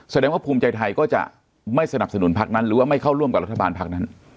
แสดงว่าภูมิใจไทยก็จะไม่สนับสนุนพักนั้นหรือว่าไม่เข้าร่วมกับรัฐบาลพักนั้น